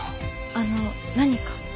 あの何か？